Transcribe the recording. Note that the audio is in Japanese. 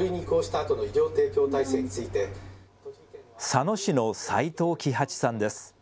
佐野市の齋藤喜八さんです。